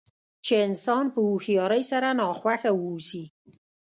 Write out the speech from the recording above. چې انسان په هوښیارۍ سره ناخوښه واوسي.